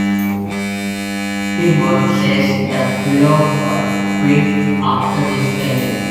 Heyward says that Willoughby quit after these changes.